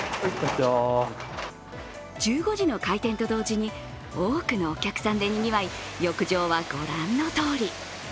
１５時の開店と同時に多くのお客さんでにぎわい、浴場はご覧のとおり。